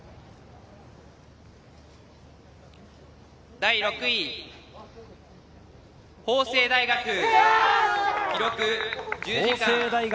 第６位、法政大学。